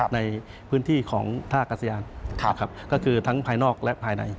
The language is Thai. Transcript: ในพื้นที่ของท่ากัศยานก็คือทั้งภายนอกและภายใน